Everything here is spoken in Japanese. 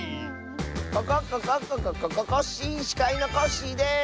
ココッココッコココココッシー！しかいのコッシーです！